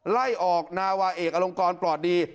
ไล่ออกนาวาเอกอลงกรปลอดดี